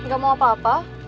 gak mau apa apa